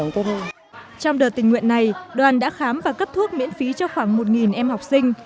trong đợt tình nguyện này đoàn đã khám và cấp thuốc miễn phí cho khoảng một em học sinh